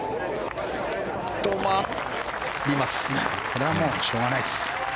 これはもうしょうがないです。